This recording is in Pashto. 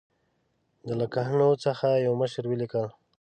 د لکنهو څخه یوه مشر ولیکل.